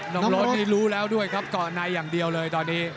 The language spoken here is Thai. รถนี่รู้แล้วด้วยครับเกาะในอย่างเดียวเลยตอนนี้